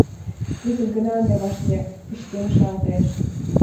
Кызыт гын ынде вашке пычкемышалтеш.